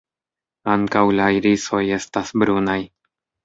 Ankaŭ la irisoj estas brunaj.